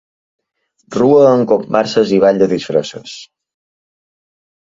Rua amb comparses i ball de disfresses.